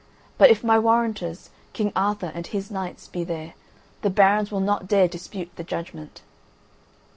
But if my warrantors, King Arthur and his knights, be there, the barons will not dare dispute the judgment."